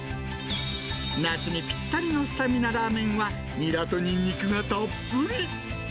夏にぴったりのスタミナラーメンはニラとニンニクがたっぷり。